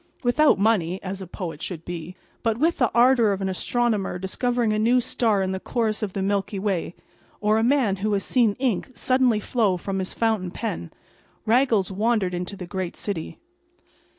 Without money—as a poet should be—but with the ardor of an astronomer discovering a new star in the chorus of the milky way, or a man who has seen ink suddenly flow from his fountain pen, Raggles wandered into the great city.